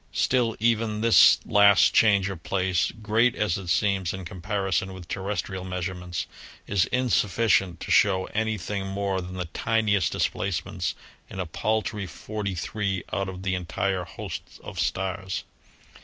Still, even this last change of place, great as it seems in comparison with terrestrial measurements, is insufficient to show any thing more than the tiniest displacements in a paltry forty three out of the entire host of stars.